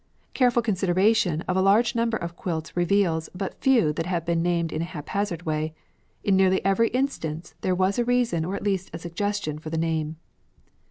Careful consideration of a large number of quilts reveals but few that have been named in a haphazard way; in nearly every instance there was a reason or at least a suggestion for the name.